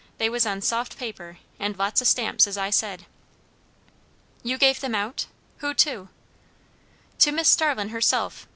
They was on soft paper, and lots o' stamps, as I said." "You gave them out? Who to?" "To Mis' Starlin' herself.